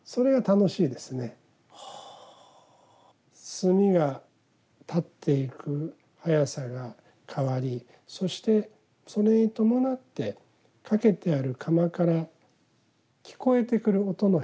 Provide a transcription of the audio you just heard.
炭がたっていくはやさが変わりそしてそれに伴ってかけてある釜から聞こえてくる音の変化。